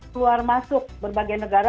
keluar masuk berbagai negara